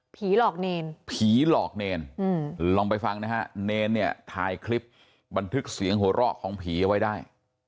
หลอกเนรผีหลอกเนรลองไปฟังนะฮะเนรเนี่ยถ่ายคลิปบันทึกเสียงหัวเราะของผีเอาไว้ได้